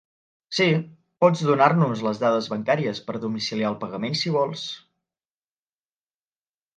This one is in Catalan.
Sí, pots donar-nos les dades bancàries per domiciliar el pagament si vols.